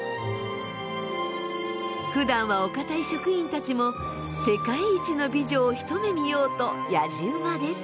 ふだんはお堅い職員たちも世界一の美女を一目見ようと野次馬です。